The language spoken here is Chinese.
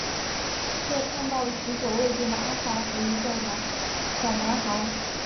却看到了许久未见的阿霞和一个小男孩。